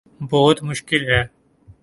بہت مشکل ہے